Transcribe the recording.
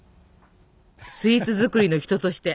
スイーツ作りの人として。